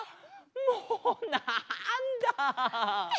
もうなんだ。